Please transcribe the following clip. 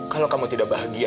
kalau kamu tidak bahagia